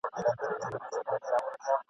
هلته ليري يوه ښار كي حكمران وو !.